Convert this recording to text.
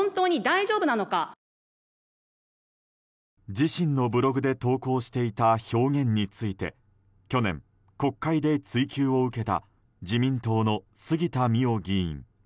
自身のブログで投稿していた表現について去年、国会で追及を受けた自民党の杉田水脈議員。